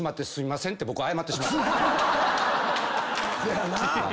せやなぁ。